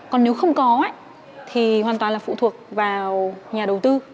còn nếu không có thì hoàn toàn là phụ thuộc vào nhà đầu tư